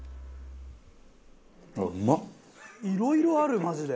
いろいろあるマジで。